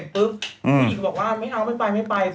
ครูบอกว่าไม่เอาไม่ไป